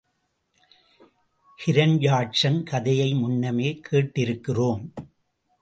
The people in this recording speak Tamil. ஹிரண்யாட்சன் கதையை முன்னமே கேட்டிருக்கிறோம்.